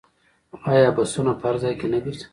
آیا بسونه په هر ځای کې نه ګرځي؟